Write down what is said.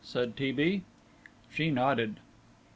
said T. B. She nodded.